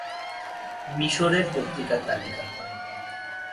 মিশরের পত্রিকার তালিকা